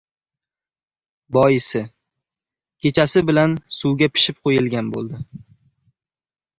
Boisi, kechasi bilan suvga pishib qo‘yilgan bo‘ldi.